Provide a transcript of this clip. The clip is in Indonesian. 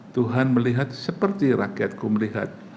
tuhan melihat seperti rakyatku melihat